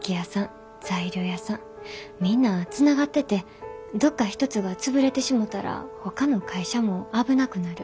みんなつながっててどっか一つが潰れてしもたらほかの会社も危なくなる。